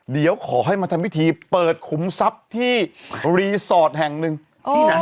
เดี๋ยวขอให้มาทำพิธีเปิดขุมทรัพย์ที่รีสอร์ทแห่งหนึ่งที่ไหน